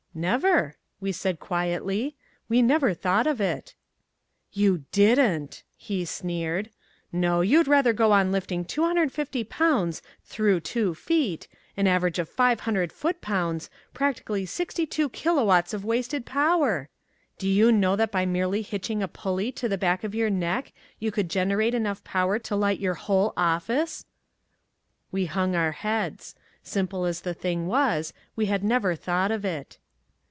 "Never," we said quietly, "we never thought of it." "You didn't!" he sneered. "No, you'd rather go on lifting 250 pounds through two feet, an average of 500 foot pounds, practically 62 kilowatts of wasted power. Do you know that by merely hitching a pulley to the back of your neck you could generate enough power to light your whole office?" We hung our heads. Simple as the thing was, we had never thought of it.